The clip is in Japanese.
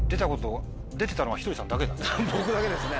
僕だけですね